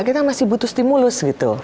kita masih butuh stimulus gitu